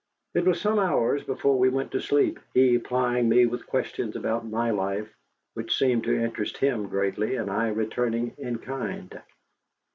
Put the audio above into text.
It was some hours before we went to sleep, he plying me with questions about my life, which seemed to interest him greatly, and I returning in kind.